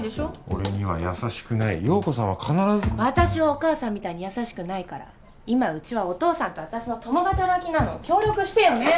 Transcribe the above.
俺には優しくない陽子さんは必ず私はお母さんみたいに優しくないから今うちはお父さんと私の共働きなの協力してよね